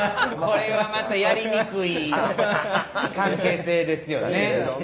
これはまたやりにくい関係性ですよね。